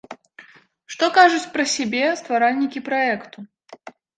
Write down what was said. Што кажуць пра сябе стваральнікі праекту?